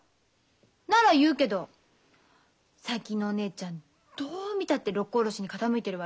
なら言うけど最近のお姉ちゃんどう見たって六甲おろしに傾いてるわよ。